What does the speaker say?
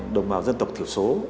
đồng bào dân tộc thiểu số